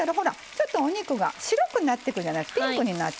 ちょっとお肉が白くなってくるじゃないですかピンクになってくる。